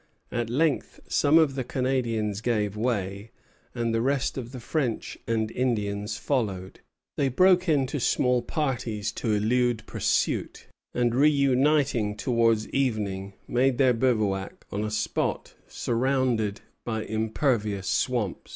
At length some of the Canadians gave way, and the rest of the French and Indians followed. They broke into small parties to elude pursuit, and reuniting towards evening, made their bivouac on a spot surrounded by impervious swamps.